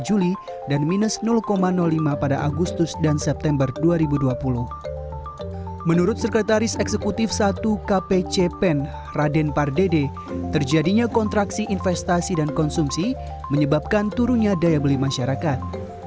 juli sekretaris eksekutif satu kpcpen raden pardede terjadinya kontraksi investasi dan konsumsi menyebabkan turunnya daya beli masyarakat